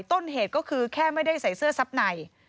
ต้นเหตุก็คือแค่ไม่ได้ใส่เสื้อซับใน